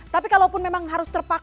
tapi kalau pun memang harus terlalu banyak